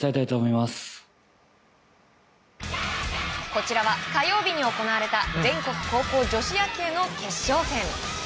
こちらは火曜日に行われた全国高校女子野球の決勝戦。